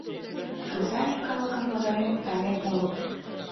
Кресаньык калыкым пызырен пытарен улыт.